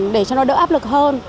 để cho nó đỡ áp lực hơn